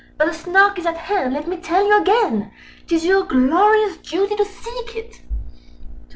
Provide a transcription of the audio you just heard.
But the Snark is at hand, let me tell you again! Â Â Â Â 'Tis your glorious duty to seek it!